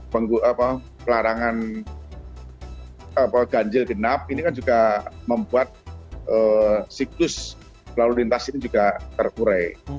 pelarangan ganjil genap ini kan juga membuat siklus lalu lintas ini juga terurai